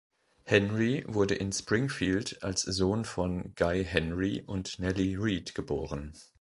Henry wurde in Springfield als Sohn von Guy Henry und Nellie Reed geboren.